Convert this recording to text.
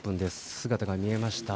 姿が見えました。